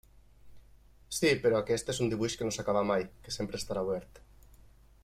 Sí, però aquest és un dibuix que no s'acaba mai, que sempre estarà obert.